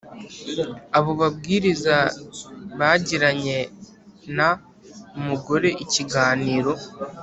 Abo babwiriza bagiranye n , mugore ikiganiro